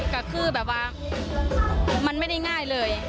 ก็คือแบบว่ามันไม่ได้ง่ายเลย